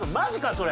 それ。